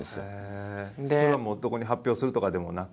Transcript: それはどこに発表するとかでもなく？